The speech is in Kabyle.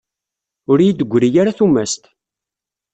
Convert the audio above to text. Ur iyi-d-teggri ara tumast.